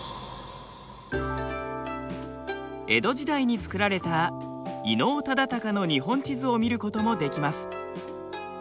江戸時代に作られた伊能忠敬の日本地図を見ることもできます。